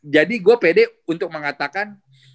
jadi gue pede untuk mengatakan